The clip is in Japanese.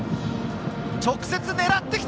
直接狙ってきた！